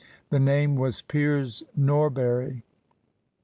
The name was Piers Norbury."